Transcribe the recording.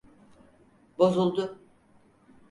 Bozuldu.